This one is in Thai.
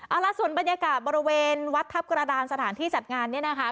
เอาล่ะส่วนบรรยากาศบริเวณวัดทัพกระดานสถานที่จัดงานเนี่ยนะคะ